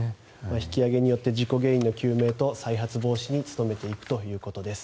引き揚げによって原因の究明と再発防止に努めていくということです。